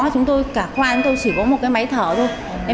chúng tôi cả khoan tôi chỉ có một cái máy thở thôi